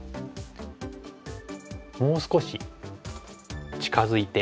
もう少し近づいて。